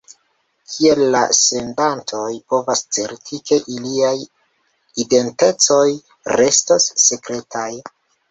Kiel la sendantoj povas certi, ke iliaj identecoj restos sekretaj?